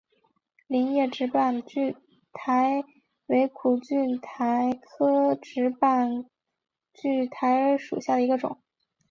菱叶直瓣苣苔为苦苣苔科直瓣苣苔属下的一个种。